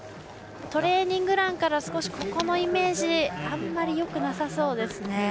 トレーニングランからここのイメージあまり、よくなさそうですね。